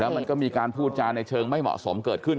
มันก็มีการพูดจานในเชิงไม่เหมาะสมเกิดขึ้น